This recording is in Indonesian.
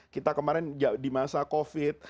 kita kemarin di masa covid